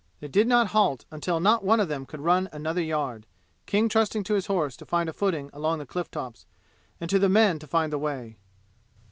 They did not halt until not one of them could run another yard, King trusting to his horse to find a footing along the cliff tops, and to the men to find the way.